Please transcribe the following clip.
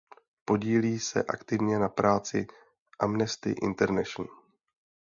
Podílí se aktivně na práci Amnesty International.